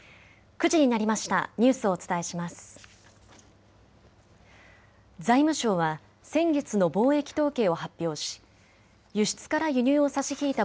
９時になりました。